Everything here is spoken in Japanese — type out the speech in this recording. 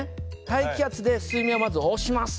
大気圧で水面をまず押します。